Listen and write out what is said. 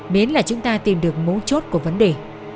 biến là chúng ta tìm được mối chốt của vấn đề